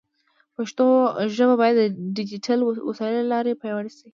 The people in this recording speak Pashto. پښتو ژبه باید د ډیجیټل وسایلو له لارې پیاوړې شي.